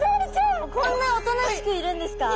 こんなおとなしくいるんですか？